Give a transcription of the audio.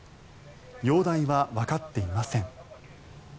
容体はわかっていません。